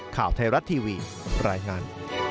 ข่าวไทยรัฐทีวีรายงาน